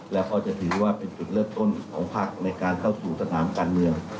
แล้วก็จะถือว่าเป็นจุดเริ่มต้นของภาคในการเข้าสู่สนามการเมือง